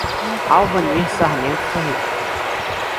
Alvanir Sarmento Ferreira